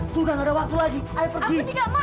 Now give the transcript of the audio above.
kita harus pergi